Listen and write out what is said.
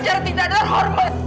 dan kamu akan mendapatkan pembalasan